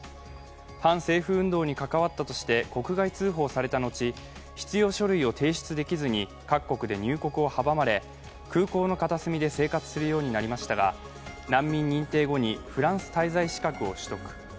反政府運動に関わったとして国外追放された後、必要書類を提出できずに各国で入国を阻まれ、空港の片隅で生活するようになりましたが難民認定後にフランス滞在資格を取得。